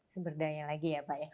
sumber daya lagi ya pak ya